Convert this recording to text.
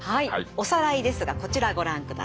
おさらいですがこちらご覧ください。